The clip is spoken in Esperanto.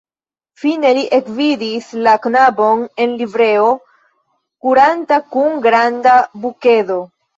Fine li ekvidis la knabon en livreo kuranta kun granda bukedo.